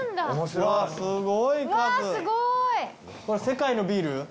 これ世界のビール？